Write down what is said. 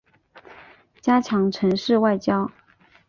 加强城市外交